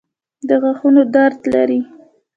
د غاښونو درد لرئ؟